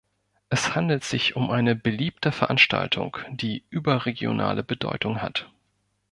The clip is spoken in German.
Es handelt sich um eine beliebte Veranstaltung, die überregionale Bedeutung hat.